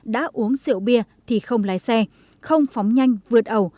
đã uống rượu bia thì không lái xe không phóng nhanh vượt ẩu